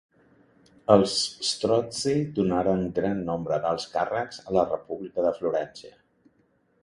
Els Strozzi donaren gran nombre d'alts càrrecs a la República de Florència.